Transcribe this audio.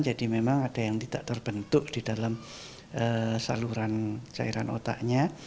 jadi memang ada yang tidak terbentuk di dalam saluran cairan otaknya